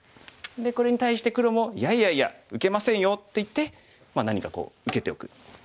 これに対して黒も「いやいやいや受けませんよ」って言って何かこう受けておく。